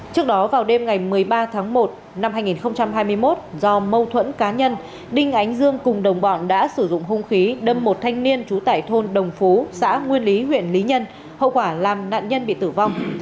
trước đó vào đêm ngày một mươi ba tháng một năm hai nghìn hai mươi một do mâu thuẫn cá nhân đinh ánh dương cùng đồng bọn đã sử dụng hung khí đâm một thanh niên trú tại thôn đồng phú xã nguyên lý huyện lý nhân hậu quả làm nạn nhân bị tử vong